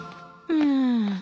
うん。